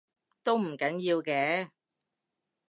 都唔緊要嘅